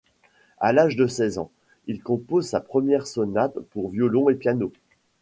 À l'âge de seize ans, il compose sa première sonate pour violon et piano.